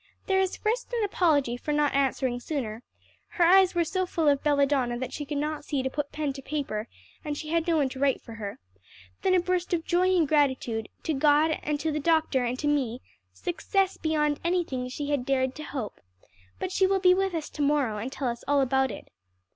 "There is first an apology for not answering sooner (her eyes were so full of belladonna that she could not see to put pen to paper, and she had no one to write for her), then a burst of joy and gratitude to God, to the doctor and to me, 'success beyond anything she had dared to hope,' but she will be with us to morrow, and tell us all about it."